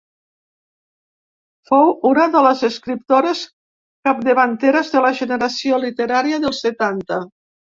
Fou una de les escriptores capdavanteres de la generació literària dels setanta.